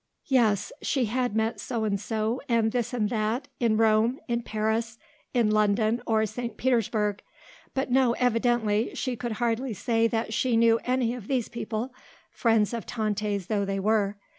Yes; she had met so and so and this and that, in Rome, in Paris, in London or St. Petersburg; but no, evidently, she could hardly say that she knew any of these people, friends of Tante's though they were.